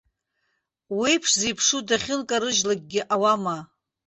Уеиԥш зеиԥшу дахьынкарыжьлакгьы ауама!